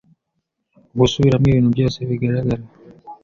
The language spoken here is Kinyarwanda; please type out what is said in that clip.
ugusubiramo ibintu byose bigaragara